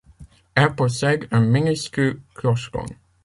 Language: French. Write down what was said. Elle possède un minuscule clocheton.